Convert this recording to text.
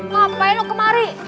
ngapain lu kemari